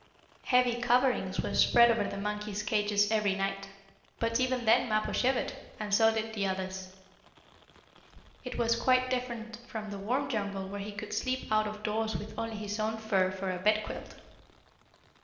Heavy coverings were spread over the monkeys' cages every night, but even then Mappo shivered, and so did the others. It was quite different from the warm jungle where he could sleep out of doors with only his own fur for a bedquilt.